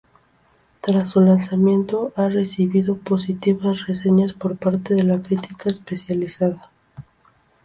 Tras su lanzamiento ha recibido positivas reseñas por parte de la crítica especializada.